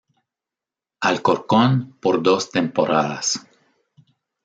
Alcorcón por dos temporadas.